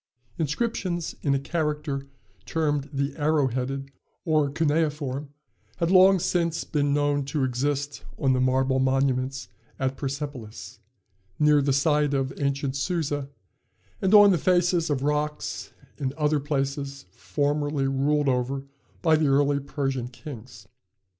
Inscriptions in a character termed the Arrow headed, or Cuneiform, had long been known to exist on the marble monuments at Persepolis, near the site of the ancient Susa, and on the faces of rocks in other places formerly ruled over by the early Persian kings.